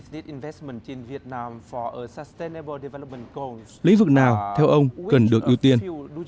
lĩnh vực nào theo ông cần được ưu tiên